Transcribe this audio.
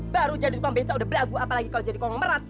baru jadi uang beca udah beragua apalagi kalau jadi uang merat